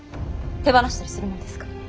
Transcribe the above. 手放したりするものですか。